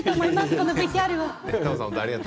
このＶＴＲを。